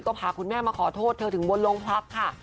ก็พาคุณแม่มาขอโทษเธอถึงบนโรงพักค่ะ